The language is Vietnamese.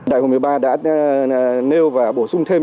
đại hội một mươi ba đã nêu và bổ sung thêm